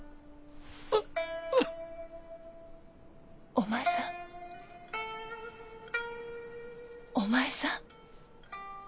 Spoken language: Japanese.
・お前さん？お前さん！